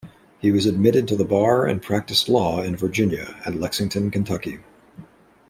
He was admitted to the bar and practiced law in Virginia and Lexington, Kentucky.